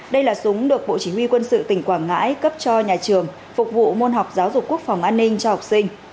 đây là súng được bộ chỉ huy quân sự tỉnh quảng ngãi cấp cho nhà trường phục vụ môn học giáo dục quốc phòng an ninh cho học sinh